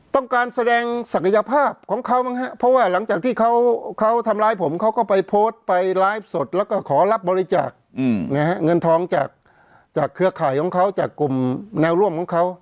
ต้องการแสดงศักยภาพของเขามั้งฮะเพราะว่าหลังจากที่เขาทำร้ายผมเขาก็ไปโพสต์ไปไลฟ์สดแล้วก็ขอรับบริจาคเงินทองจากเครือข่ายของเขาจากกลุ่มแนวร่วมของเขา